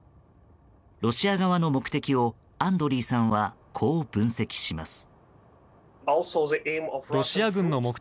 ロシア側の目的をアンドリーさんはこう分析します。